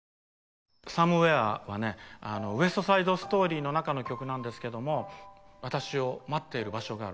「ウエスト・サイド・ストーリー」の中の曲なんですけども「私を待っている場所がある」